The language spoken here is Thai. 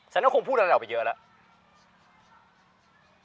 ฉันก็คงพูดอะไรออกไปเยอะแล้ว